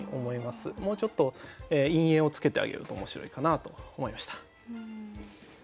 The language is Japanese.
もうちょっと陰影をつけてあげると面白いかなと思いました。